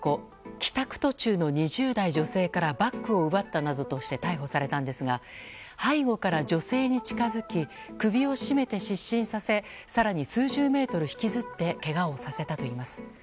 帰宅途中の２０代の女性からバッグを奪ったなどとして逮捕されたんですが背後から女性に近づき首を絞めて失神させ更に数十メートル引きずってけがをさせたといいます。